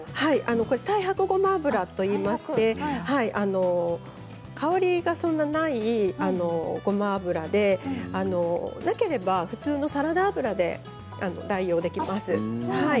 これは太白ごま油といいまして香りがそんなにないごま油でなければ普通のサラダ油で代用できます。